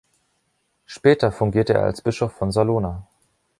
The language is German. Später fungierte er als Bischof von Salona.